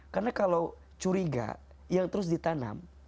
karena kalau curiga yang terus ditanam